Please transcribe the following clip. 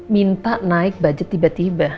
minta naik budget tiba tiba